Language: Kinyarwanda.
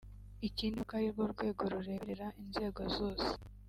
ikindi ni uko ari rwo rwego rureberera inzego zose